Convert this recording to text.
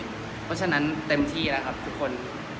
เพราะฉะนั้นเต็มที่แล้วครับทุกคน